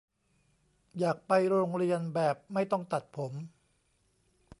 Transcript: อยากไปโรงเรียนแบบไม่ต้องตัดผม